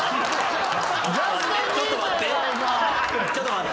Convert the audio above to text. ちょっと待って。